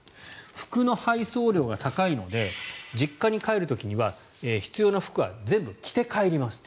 服の配送料が高いので実家に帰る時には必要な服は全部着て帰りますと。